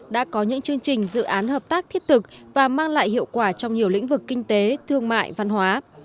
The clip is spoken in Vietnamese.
đã có những chương trình dự án hợp tác thiết thực và mang lại hiệu quả trong nhiều lĩnh vực kinh tế thương mại văn hóa